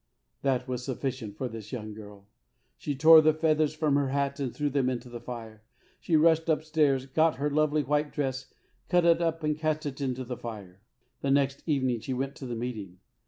That was sufficient for this young girl. She tore the feathers from lier hat, and threw them into the fire. She rushed up stairs, got her lovely white dress, cut it up and cast it into the fire. The next evening she went to the meeting.